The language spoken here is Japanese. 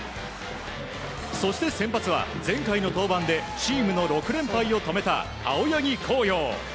そして先発は前回の登板でチームの６連敗を止めた青柳晃洋。